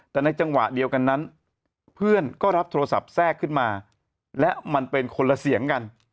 แต่ในจังหวะเดียวกันนั้นเพื่อนก็รับโทรศัพท์แทรกขึ้นมาและมันเป็นคนละเสียงกัน